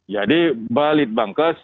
jadi balik bangkes